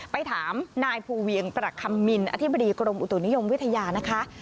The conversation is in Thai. ไปถามนายภูเวียงประคัมมินอธิบดีกรมอุตุนิยมวิทยานะคะ